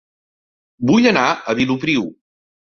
Vull anar a Vilopriu